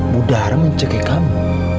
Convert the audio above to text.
budara nyekek kamu